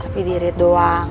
tapi di read doang